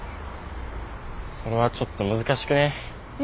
それはちょっと難しくねえ？